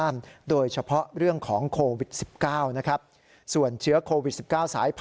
นายศพ